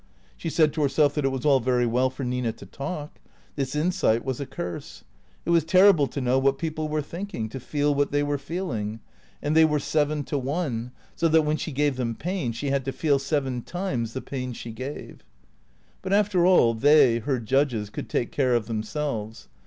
She said to herself that it was all very well for Nina to talk. This insight was a curse. It was terrible to know what people THE CREATORS 451 were thinking, to feel what they were feeling. And they were seven to one, so that when she gave them pain she had to feel seven times the pain she gave. But after all they, her judges, could take care of themselves.